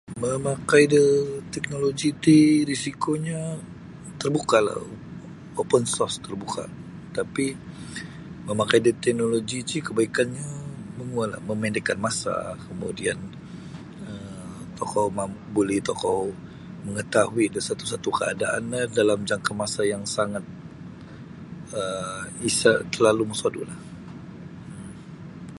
Mamakai da teknoloji ti risikonyo terbuka la open source terbuka tapi mamakai da teknoloji ti kebaikannyo menguwal memendekkan masa kemudian um tokou mam buli tokou mengetahui da satu-satu keadaan no dalam jangka masa yang sangat um isa terlalu mosodulah um